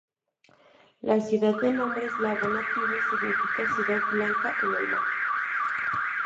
La ciudad de nombre eslavo nativo significa "ciudad blanca en el mar".